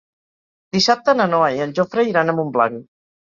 Dissabte na Noa i en Jofre iran a Montblanc.